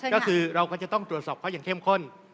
ก็คือเราก็จะต้องตรวจสอบเขาอย่างเข้มข้น